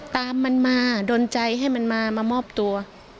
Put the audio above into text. ตามมันมาดนใจให้มันมามามอบตัว